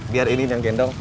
biar ini yang gendong